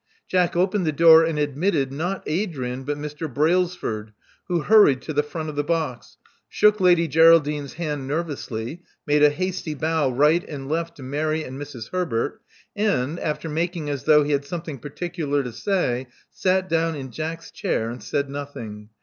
Jack opened the door, and admitted, not Adrian, but Mr. Brailsford, who hurried to the front of the box; shook Lady Geraldine's hand nervously; made a hasty bow right and left to Mary and Mrs. Herbert; and, after making as though he had something particular to say, sat down in Jack's chair and said nothing.